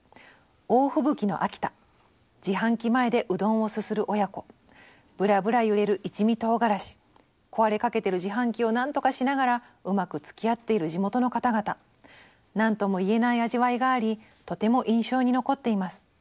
「大吹雪の秋田自販機前でうどんをすする親子ぶらぶら揺れる一味唐辛子壊れかけてる自販機を何とかしながらうまくつきあっている地元の方々何とも言えない味わいがありとても印象に残っています。